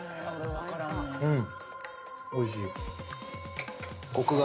うん。